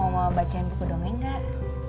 mau bacain buku dongeng gak